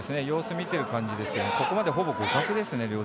様子見ている感じですけどここまでほぼ互角ですね